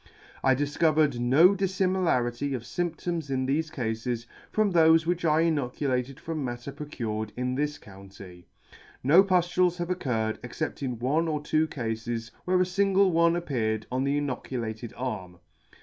I difcovered no diflimilarity of fymptoms in thefe cafes, from thofe which I inoculated from matter procured in this county. No puflules have occurred, except in one or two cafes, where a fingle one appeared on the inoculated arm.